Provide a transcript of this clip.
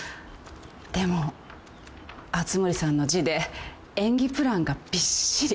でも熱護さんの字で演技プランがびっしり。